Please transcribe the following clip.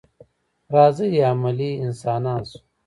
راځئ عملي انسانان شو.